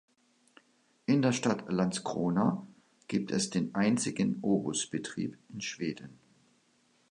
In der Stadt Landskrona gibt es den einzigen Obusbetrieb in Schweden.